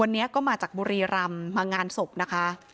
วันนี้ก็มาจากบุรีรำมางานศพนะคะ